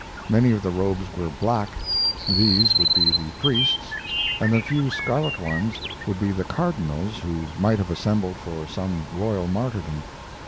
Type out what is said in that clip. Many of the robes were black these would be the priests and the few scarlet ones would be the cardinals who might have assembled for some royal martyrdom.